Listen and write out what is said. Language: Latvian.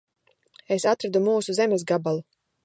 Es atradu mūsu zemes gabalu.